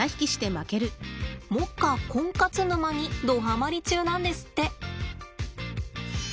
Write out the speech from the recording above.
目下コンカツ沼にどはまり中なんですって。